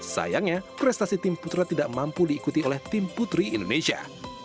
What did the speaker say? sayangnya prestasi tim putra tidak mampu diikuti oleh tim putri indonesia